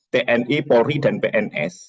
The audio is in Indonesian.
tni polri dan pns